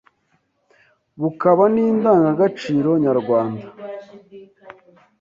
bukaba n’Indangagaciro nyarwanda